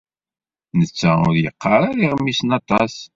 Netta ur yeqqar ara iɣmisen aṭas.